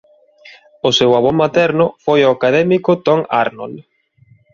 O seu avó materno foi o académico Tom Arnold.